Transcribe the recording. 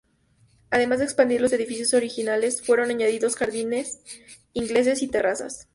Además de expandir los edificios originales, fueron añadidos jardines ingleses y terrazas.